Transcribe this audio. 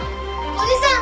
おじさん！